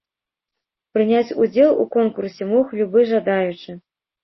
Прыняць удзел у конкурсе мог любы жадаючы.